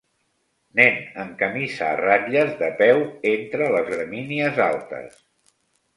Nen en camisa a ratlles de peu entre les gramínies altes